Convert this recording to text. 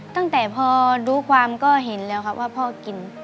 ตั้งแต่พอรู้ความก็เห็นแล้วครับว่าพ่อกิน